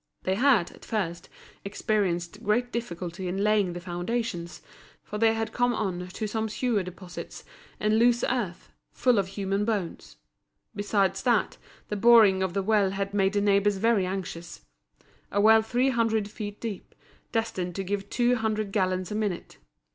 They had, at first, experienced great difficulty in laying the foundations, for they had come on to some sewer deposits and loose earth, full of human bones. Besides that, the boring of the well had made the neighbours very anxious—a well three hundred feet deep, destined to give two hundred gallons a minute.